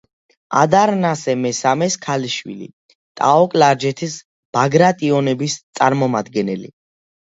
ადარნასე მესამეს ქალიშვილი, ტაო-კლარჯეთის ბაგრატიონების წარმომადგენელი.